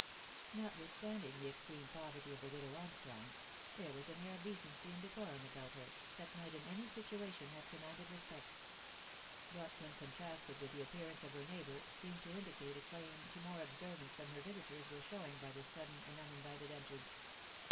Notwithstanding the extreme poverty of the widow Armstrong, there was an air of decency and decorum about her, that might in any situa tion have commanded respect ; but when contrasted with the appear ance of her neighbour, seemed to indicate a claim to more observance than her visiters were showing by this sudden and uninvited entrance.